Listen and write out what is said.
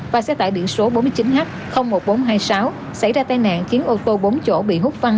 và xe tải điện số bốn mươi chín h một nghìn bốn trăm hai mươi sáu xảy ra tai nạn khiến ô tô bốn chỗ bị hút văng